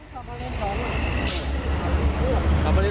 กลุ่มกล่องดูได้